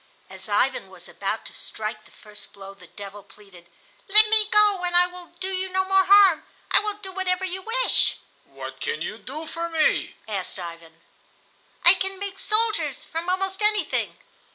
As Ivan was about to strike the first blow the devil pleaded: "Let me go and I will do you no more harm. I will do whatever you wish." "What can you do for me?" asked Ivan. "I can make soldiers from almost anything."